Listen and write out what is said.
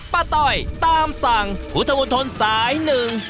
ต้อยตามสั่งพุทธมนตรสายหนึ่ง